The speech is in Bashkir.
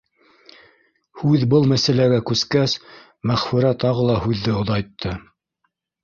Һүҙ был мәсьәләгә күскәс, Мәғфүрә тағы ла һүҙҙе оҙайтты.